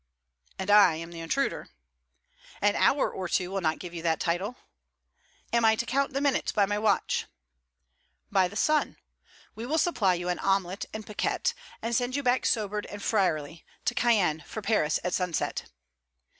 'And I am the intruder.' 'An hour or two will not give you that title.' 'Am I to count the minutes by my watch?' 'By the sun. We will supply you an omelette and piquette, and send you back sobered and friarly to Caen for Paris at sunset.'